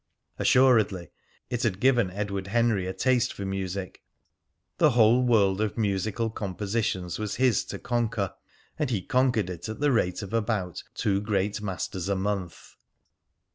Assuredly it had given Edward Henry a taste for music. The whole world of musical compositions was his to conquer, and he conquered it at the rate of about two great masters a month.